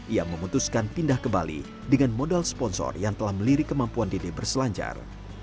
ia memutuskan pindah ke bali dengan modal sponsor yang telah melirik kemampuan dede berselancar